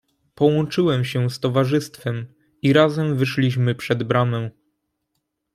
"Połączyłem się z towarzyszem i razem wyszliśmy przed bramę."